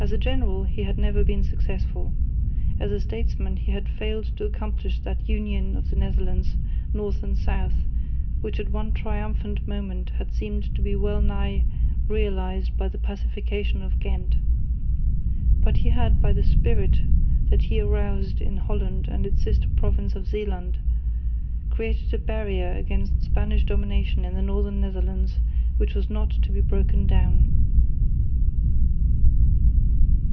As a general he had never been successful. As a statesman he had failed to accomplish that union of the Netherlands, north and south, which at one triumphant moment had seemed to be well nigh realised by the Pacification of Ghent. But he had by the spirit that he had aroused in Holland and its sister province of Zeeland created a barrier against Spanish domination in the northern Netherlands which was not to be broken down.